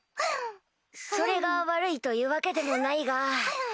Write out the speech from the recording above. それが悪いというわけでもないが。